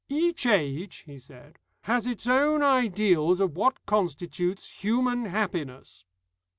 "Each age," he said, "has its own ideals of what constitutes human happiness."